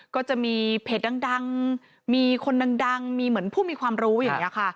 ก็จะมีเพจดังมีคนดังมีเหมือนผู้มีความรู้อย่างนี้ค่ะ